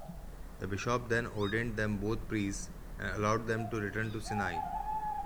The bishop then ordained them both priests and allowed them to return to Sinai.